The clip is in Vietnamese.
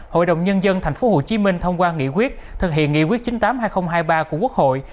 hội đồng nhân dân tp hcm thông qua nghị quyết thực hiện nghị quyết chín mươi tám hai nghìn hai mươi ba của quốc hội